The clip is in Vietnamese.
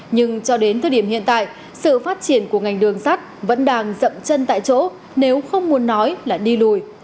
nhưng cho đến thời điểm hiện tại sự phát triển của ngành đường sắt vẫn đang dậm chân tại chỗ nếu không muốn nói là đi lùi